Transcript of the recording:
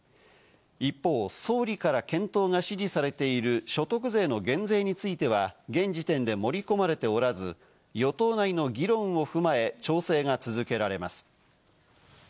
一方、総理から検討が指示されている所得税の減税については、現時点で盛り込まれておらず、与党内の議論を踏まえ調整が続けられます。